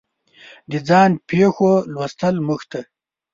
د ځان پېښو لوستل موږ ته